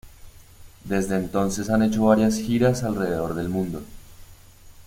Desde entonces han hecho varias giras alrededor del mundo.